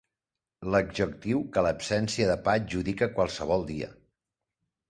L'adjectiu que l'absència de pa adjudica a qualsevol dia.